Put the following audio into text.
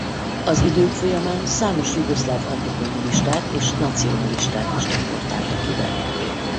Az idők folyamán számos jugoszláv antikommunistát és nacionalistát is deportáltak ide.